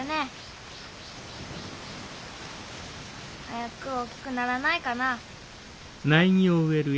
早く大きくならないかな。